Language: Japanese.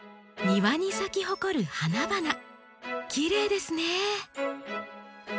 庭に咲き誇る花々きれいですね。